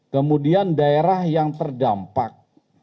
kemudian daerah yang terdampak